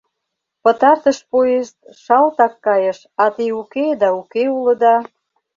— Пытартыш поезд шалтак кайыш, а те уке да уке улыда.